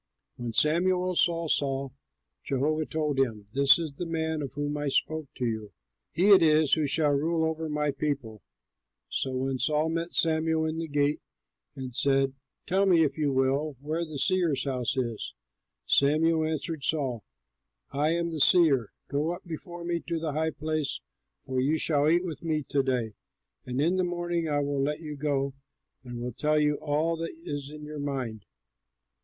When Samuel saw Saul, Jehovah told him, "This is the man of whom I spoke to you! He it is who shall rule over my people." So when Saul met Samuel in the gate, and said, "Tell me, if you will, where the seer's house is," Samuel answered Saul, "I am the seer; go up before me to the high place, for you shall eat with me to day; and in the morning I will let you go and will tell you all that is in your mind.